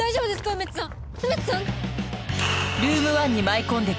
梅津さん！？